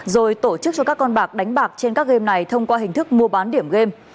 rồi tổ chức cho các con bạc đánh bạc trên các game này thông qua hình thức mua bán điểm game